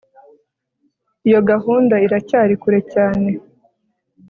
Iyo gahunda iracyari kure cyane